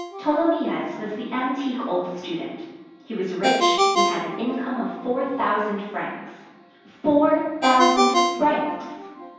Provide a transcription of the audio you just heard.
Tholomyès was the antique old student; he was rich; he had an income of four thousand francs; four thousand francs!